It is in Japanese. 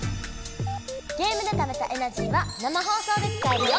ゲームでためたエナジーは生放送で使えるよ！